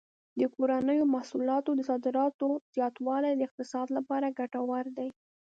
د کورنیو محصولاتو د صادراتو زیاتوالی د اقتصاد لپاره ګټور دی.